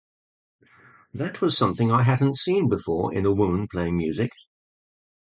That was something I hadn't seen before in a woman playing music.